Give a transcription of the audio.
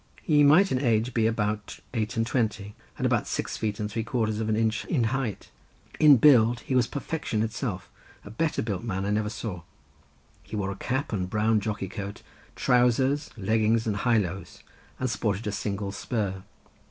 He might in age be about eight and twenty, and about six feet and three quarters of an inch in height; in build he was perfection itself—a better built man I never saw. He wore a cap and a brown jockey coat, trowsers, leggings and highlows, and sported a single spur.